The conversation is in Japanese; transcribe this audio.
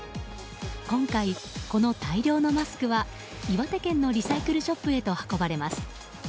今回、この大量のマスクは岩手県のリサイクルショップへと運ばれます。